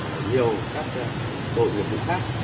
nhiều các đội nghiệp vụ khác